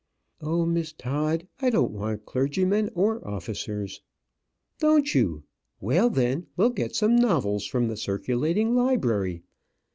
"Oh, Miss Todd, I don't want clergymen or officers." "Don't you? Well then, we'll get some novels from the circulating library.